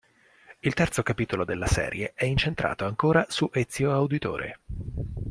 Il terzo capitolo della serie è incentrato ancora su Ezio Auditore.